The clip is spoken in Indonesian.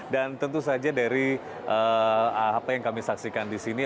dan tentu saja dari apa yang kami saksikan di sini